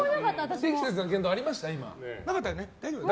不適切な言動、ありました？